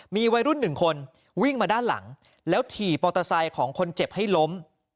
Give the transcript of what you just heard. มีวัยรุ่นหนึ่งคนวิ่งมาด้านหลังแล้วถี่มอเตอร์ไซค์ของคนเจ็บให้ล้ม